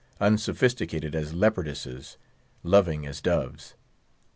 Unsophisticated as leopardesses; loving as doves.